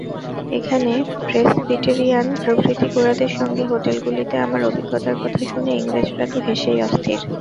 এখানে প্রেসবিটেরিয়ান প্রভৃতি গোঁড়াদের সঙ্গে হোটেলগুলিতে আমার অভিজ্ঞতার কথা শুনে ইংরেজরা তো হেসেই অস্থির।